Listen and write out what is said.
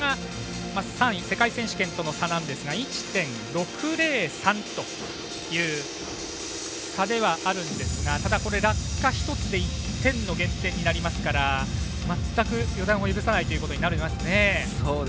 萱が世界選手権との差が１．６０３という差ではあるんですがただ、落下１つで１点の減点になるので全く予断を許さないということになりますね。